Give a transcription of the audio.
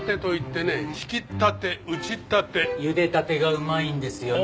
茹でたてがうまいんですよね。